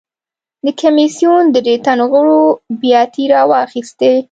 د کمېسیون درې تنو غړو بیاتۍ راواخیستې.